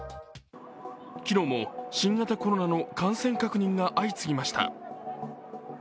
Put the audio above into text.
昨日も新型コロナの感染確認が相次ぎました。